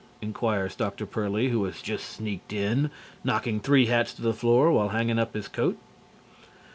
inquires Dr. Pearly, who has just sneaked in, knocking three hats to the floor while hanging up his coat.